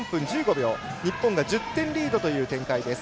日本が１０点リードという展開です。